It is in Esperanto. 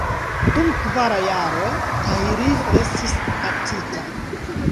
Dum kvar jaroj Tahirih restis kaptita.